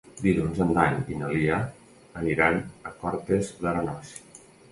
Dilluns en Dan i na Lia aniran a Cortes d'Arenós.